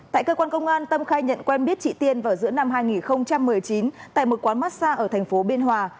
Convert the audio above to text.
tại cơ quan công an tâm khai nhận quen biết chị tiên vào giữa năm hai nghìn một mươi chín tại một quán massage ở thành phố biên hòa